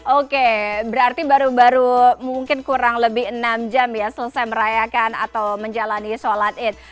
oke berarti baru baru mungkin kurang lebih enam jam ya selesai merayakan atau menjalani sholat id